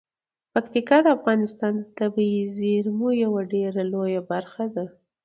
پکتیکا د افغانستان د طبیعي زیرمو یوه ډیره لویه برخه ده.